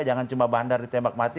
jangan cuma bandar ditembak mati